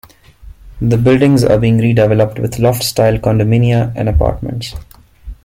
The buildings are being redeveloped with loft-style condominia and apartments.